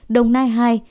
đồng nai hai